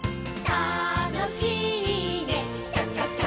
「たのしいねチャチャチャ」